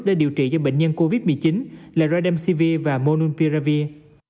để điều trị cho bệnh nhân covid một mươi chín là radem sivir và monopiravir